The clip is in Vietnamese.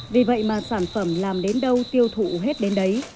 vì vậy mà sản phẩm làm đến đâu tiêu thụ hết đến đấy